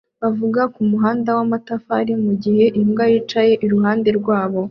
bavuga kumuhanda wamatafari mugihe imbwa yicaye iruhande rwabo